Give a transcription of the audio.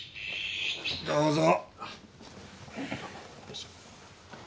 どうぞ。